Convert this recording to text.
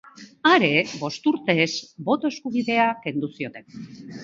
Are, bost urtez, boto eskubidea kendu zioten.